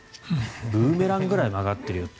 ブーメランぐらい曲がっているよと。